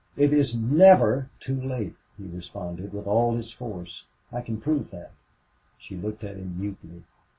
"It is NEVER too late!" he responded, with all his force. "I can prove that." She looked at him mutely.